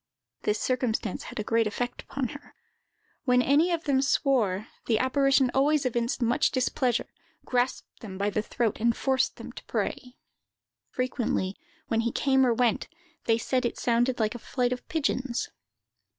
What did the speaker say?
This circumstance had a great effect upon her. When any of them swore, the apparition always evinced much displeasure, grasped them by the throat, and forced them to pray. Frequently, when he came or went, they said it sounded like a flight of pigeons.